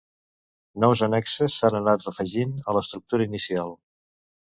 Nous annexes s'han anat afegint a l'estructura inicial.